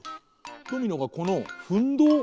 ドミノがこのふんどう？